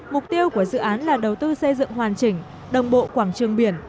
mục tiêu của dự án là đầu tư xây dựng hoàn chỉnh đồng bộ quảng trường biển